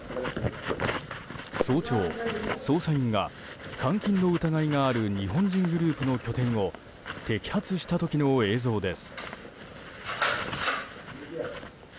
早朝、捜査員が監禁の疑いがある日本人グループの拠点を摘発した時の映像です。